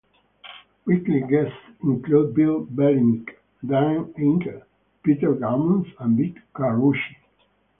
Weekly guests include Bill Belichick, Danny Ainge, Peter Gammons, and Vic Carucci.